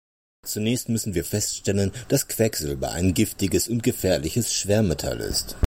Zunächst müssen wir feststellen, dass Quecksilber ein giftiges und gefährliches Schwermetall ist.